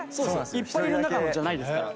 いっぱいいる中じゃないですから。